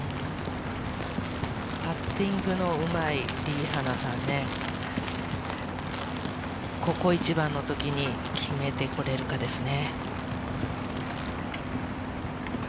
パッティングのうまい、リ・ハナさんね、ここ一番の時に決めてくれるかですね。